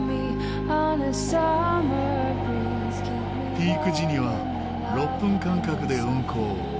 ピーク時には６分間隔で運行。